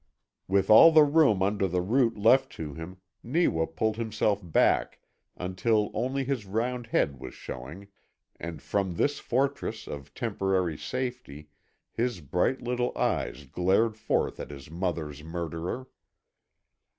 With all the room under the root left to him Neewa pulled himself back until only his round head was showing, and from this fortress of temporary safety his bright little eyes glared forth at his mother's murderer.